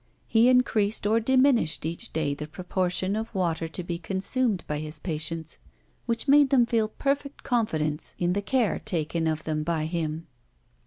He increased or diminished each day the proportion of water to be consumed by his patients, which made them feel perfect confidence in the care taken of them by him.